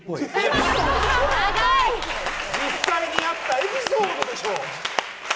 実際にあったエピソードでしょ！